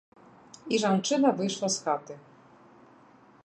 І жанчына выйшла з хаты.